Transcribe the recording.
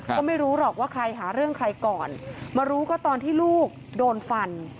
ก็ไม่รู้หรอกว่าใครหาเรื่องใครก่อนมารู้ก็ตอนที่ลูกโดนฟัน